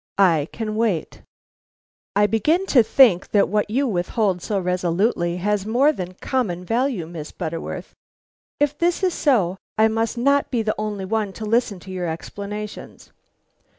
I can wait." "I begin to think that what you withhold so resolutely has more than common value, Miss Butterworth. If this is so, I must not be the only one to listen to your explanations.